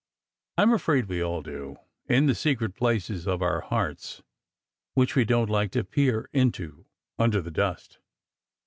I m afraid we all do, in the secret places of our hearts which we don t like to peer into, under the dust.